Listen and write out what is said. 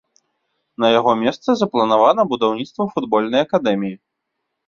На яго месцы запланавана будаўніцтва футбольнай акадэміі.